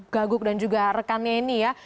gaguk dan juga rekannya ini ya